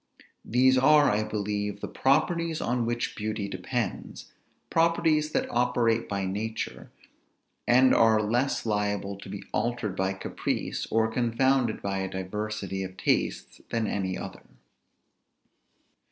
These are, I believe, the properties on which beauty depends; properties that operate by nature, and are less liable to be altered by caprice, or confounded by a diversity of tastes, than any other.